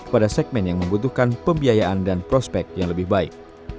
pada segmen yang membutuhkan pembiayaan dan prospek yang lebih baik